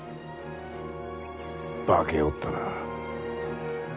化けおったな。